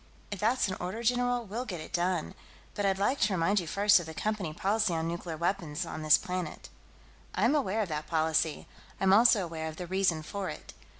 "If that's an order, general, we'll get it done. But I'd like to remind you, first, of the Company policy on nuclear weapons on this planet." "I'm aware of that policy. I'm also aware of the reason for it.